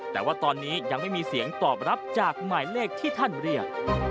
แต่ว่าตอนนี้ยังไม่มีเสียงตอบรับจากหมายเลขที่ท่านเรียก